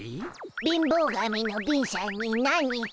貧乏神の貧しゃんに何か？